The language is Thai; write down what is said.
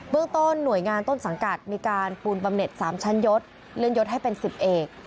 เรื่องต้นหน่วยงานต้นสังกัดมีการปูนบำเน็ต๓ชั้นยศเลื่อนยดให้เป็น๑๐เอก